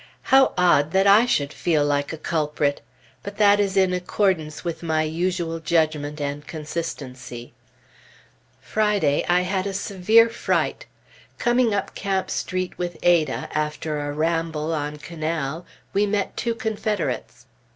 How odd that I should feel like a culprit! But that is in accordance with my usual judgment and consistency. Friday, I had a severe fright. Coming up Camp Street with Ada, after a ramble on Canal, we met two Confederates.